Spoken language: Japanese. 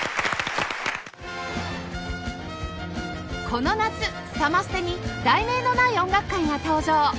この夏サマステに『題名のない音楽会』が登場